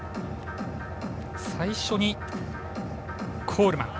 最初にコールマン。